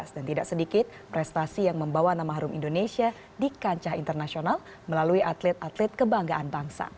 dan tidak sedikit prestasi yang membawa nama harum indonesia di kancah internasional melalui atlet atlet kebanggaan bangsa